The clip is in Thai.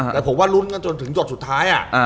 แต่ผมว่าลุ้นกันจนถึงหยดสุดท้าย